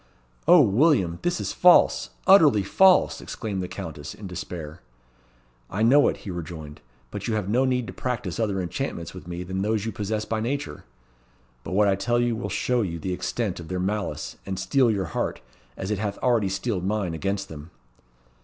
"O William! this is false utterly false!" exclaimed the Countess, in despair. "I know it," he rejoined. "You have no need to practise other enchantments with me than those you possess by nature. But what I tell you will show you the extent of their malice, and steel your heart, as it hath already steeled mine, against them."